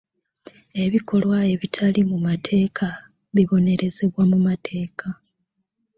Ebikolwa ebitali mu mateeka bibonerezebwa mu mateeka.